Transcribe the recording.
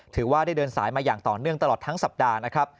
ถือว่าได้เดินสายมาอย่างต่อเนื่องตลอดทั้งสัปดาห์นะครับ